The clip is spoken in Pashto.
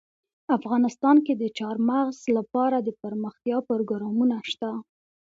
افغانستان کې د چار مغز لپاره دپرمختیا پروګرامونه شته.